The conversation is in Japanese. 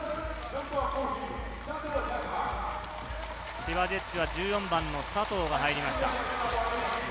千葉ジェッツは１４番の佐藤が入りました。